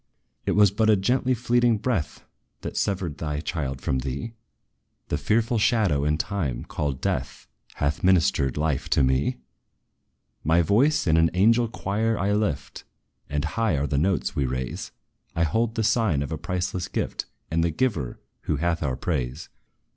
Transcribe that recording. "It was but a gently fleeting breath, That severed thy child from thee! The fearful shadow, in time, called Death, Hath ministered life to me. "My voice in an angel choir I lift; And high are the notes we raise: I hold the sign of a priceless gift, And the Giver, who hath our praise.